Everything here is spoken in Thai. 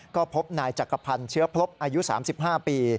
ก็พบนายจักรพันธ์เชื้อพลบอายุ๓๕ปี